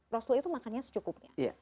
rasul itu makannya secukupnya